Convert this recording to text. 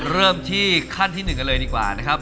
เริ่มที่ขั้นที่๑กันเลยดีกว่านะครับ